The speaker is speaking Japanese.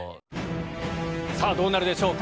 さあ、どうなるでしょうか。